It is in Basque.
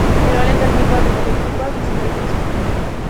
Eroale termikoak eta elektrikoak izan daitezke.